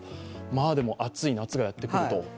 まあ、でも暑い夏がやってくると。